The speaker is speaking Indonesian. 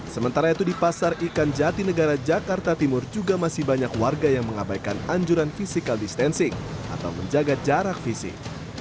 sementara itu di pasar ikan jati negara jakarta timur juga masih banyak warga yang mengabaikan anjuran physical distancing atau menjaga jarak fisik